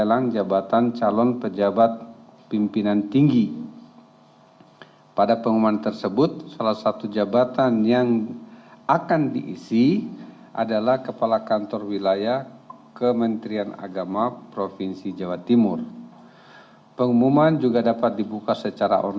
ahb calon anggota dprd kabupaten gresik dari partai persatuan pembangunan